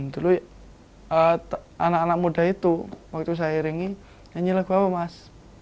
dulu anak anak muda itu waktu saya iringi nyanyi lagu apa mas